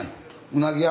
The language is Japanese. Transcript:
うなぎ屋？